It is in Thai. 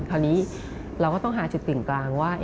คราวนี้เราก็ต้องหาจุดติ่งกลางว่า